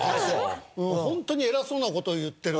ホントに偉そうな事を言ってる。